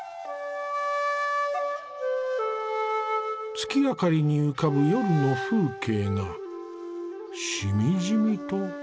月明かりに浮かぶ夜の風景がしみじみと美しいね。